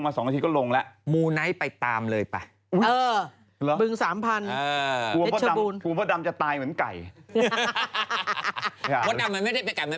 มันเป็นไฟขึ้นไปจะลงลงแบบนี้มั้ิ